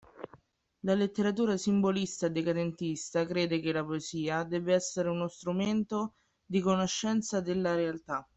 La letteratura simbolista e decadentista crede che la poesia debba essere uno strumento di conoscenza della realtà